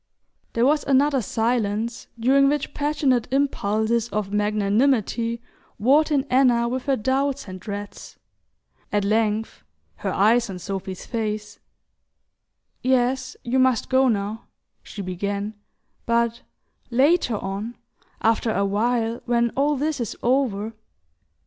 There was another silence, during which passionate impulses of magnanimity warred in Anna with her doubts and dreads. At length, her eyes on Sophy's face: "Yes, you must go now," she began; "but later on ... after a while, when all this is over